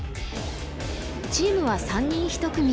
チームは３人１組。